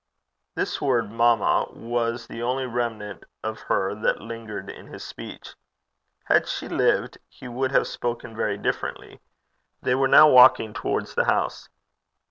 This word mamma was the only remnant of her that lingered in his speech. Had she lived he would have spoken very differently. They were now walking towards the house.